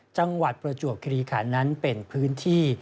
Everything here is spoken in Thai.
จังหวัดประจวบคิริขันนั้นเป็นพื้นที่